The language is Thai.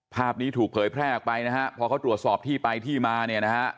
ภาพนี้ถูกเผยแพร่ออกไปนะฮะพอเขาตรวจสอบที่ไปที่มาเนี่ยนะฮะ